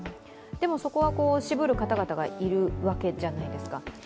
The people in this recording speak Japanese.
そこは渋る方々がいるわけじゃないですか。